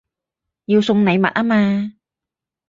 要送禮物吖嘛